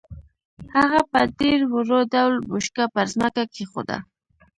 هغه په ډېر ورو ډول بوشکه پر ځمکه کېښوده.